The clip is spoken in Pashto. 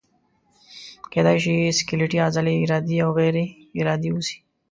کیدای شي سکلیټي عضلې ارادي او یا غیر ارادي اوسي.